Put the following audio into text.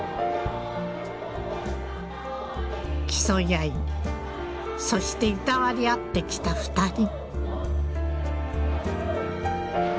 競い合いそしていたわり合ってきた２人。